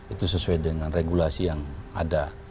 itu sesuai dengan regulasi yang ada